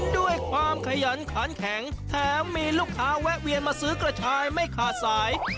ด้วยความขยันขานแข็งแถมมีลูกค้าแวะเวียนมาซื้อกระชายไม่ขาดสาย